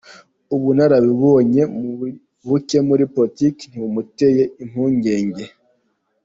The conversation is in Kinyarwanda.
Ubunararibonye buke muri politiki ntibumuteye impungenge.